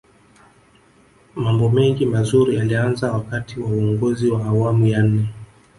mambo mengi mazuri yalianza wakati wa uongozi wa awamu ya nne